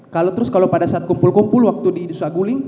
kalau terus pada saat kumpul kumpul waktu di suaguling